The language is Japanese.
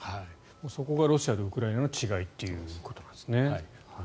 そこがロシアとウクライナの違いということですね。